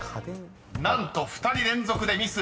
［何と２人連続でミス。